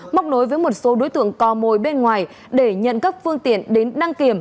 móc nối với một số đối tượng co môi bên ngoài để nhận cấp phương tiện đến đăng kiểm